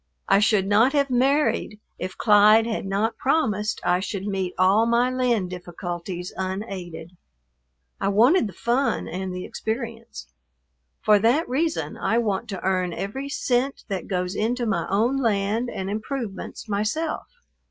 I should not have married if Clyde had not promised I should meet all my land difficulties unaided. I wanted the fun and the experience. For that reason I want to earn every cent that goes into my own land and improvements myself.